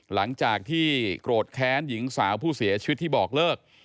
หลังจากที่โกรธแค้นหญิงสาวผู้เสียชีวิตที่บอกเลิก